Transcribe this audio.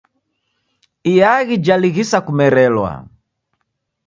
Iaghi jalighisa kumerelwa.